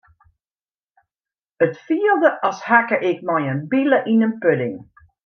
It fielde as hakke ik mei in bile yn in pudding.